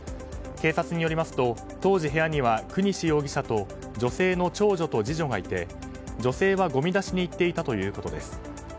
警察によりますと当時、部屋には國司容疑者と女性の長女と次女がいて、女性はごみ出しに行っていたということです。